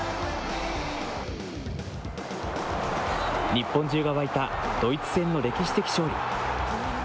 日本中が沸いたドイツ戦の歴史的勝利。